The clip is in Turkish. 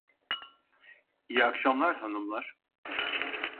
İyi akşamlar hanımlar.